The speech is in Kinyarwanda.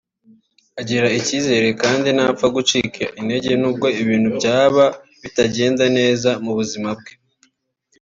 agira ikizere kandi ntapfa gucika intege n’ubwo ibintu byaba bitagenda neza mu buzima bwe